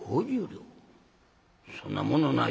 そんなものない」。